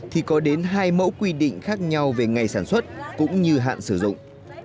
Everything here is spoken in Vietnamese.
thì có đến hai mẫu quy định khác nhau về ngày sản xuất cũng như hạn sử dụng